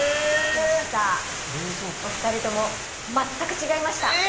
お二人ともまったく違いました。